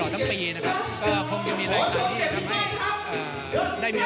มาให้พี่น้องได้ชม